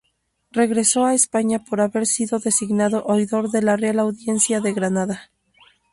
Regresó a España por haber sido designado oidor de la Real Audiencia de Granada.